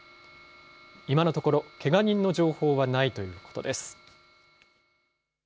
今のところ、けが人の情報はないということです。